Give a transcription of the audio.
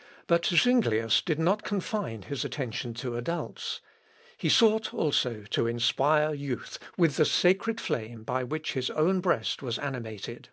] But Zuinglius did not confine his attention to adults; he sought also to inspire youth with the sacred flame by which his own breast was animated.